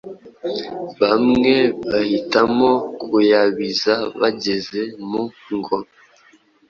bamwe bahitamo kuyabiza bageze mu ngo